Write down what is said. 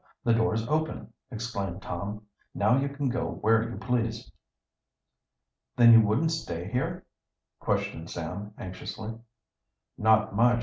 the door's open!" exclaimed Tom. "Now you can go where you please." "Then you wouldn't stay here?" questioned Sam anxiously. "Not much!